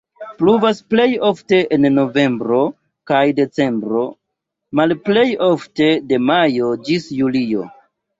Pluvas plej ofte en novembro kaj decembro, malplej ofte de majo ĝis julio.